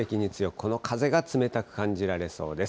この風が冷たく感じられそうです。